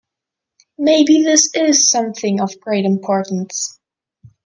Maybe this is something of great importance.